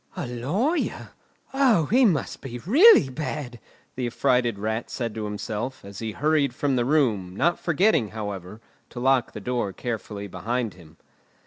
"A lawyer! O, he must be really bad!" the affrighted Rat said to himself, as he hurried from the room, not forgetting, however, to lock the door carefully behind him.